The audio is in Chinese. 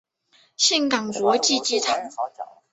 岘港国际机场。